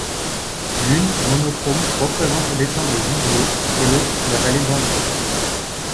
L'une, monochrome représente l'étang de Gillieu, et l'autre la vallée d'Amby.